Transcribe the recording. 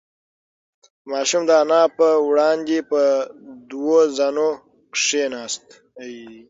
ماشوم د انا په وړاندې په دوه زانو کښېناست.